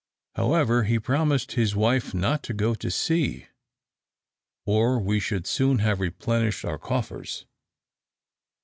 However, he promised his wife not to go to sea, or we should soon have replenished our coffers.